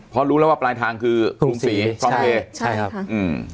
เพราะรู้แล้วว่าปลายทางคือกรุงศรีฟังเฮใช่ครับอืม